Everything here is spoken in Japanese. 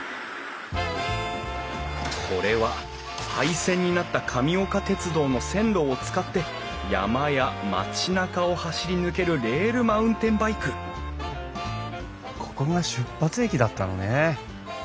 これは廃線になった神岡鉄道の線路を使って山や町なかを走り抜けるレールマウンテンバイクここが出発駅だったのね。